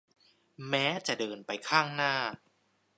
แม้จะเดินไปข้างหน้า